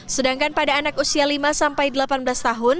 sedangkan pada anak usia lima sampai delapan belas tahun